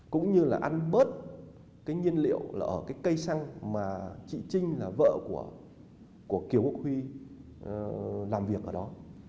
cũng như là ăn bớt cái nhiên liệu là ở cái cây xăng mà chị trinh là vợ của kiều quốc huy làm việc ở đó